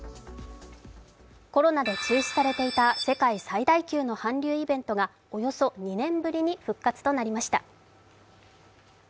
コロナで中止されていた世界最大級の韓流イベントがおよそ２年ぶりに復活となりました